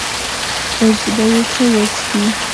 اوس به یې ته وڅښې.